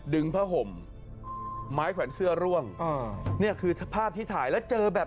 ดึงผ้าห่มไม้แขวนเสื้อร่วงอ่าเนี่ยคือภาพที่ถ่ายแล้วเจอแบบ